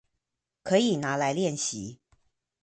可以拿來複習